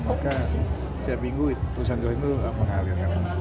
maka setiap minggu tulisan tulisan itu mengalir